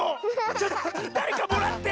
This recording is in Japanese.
ちょっとだれかもらって！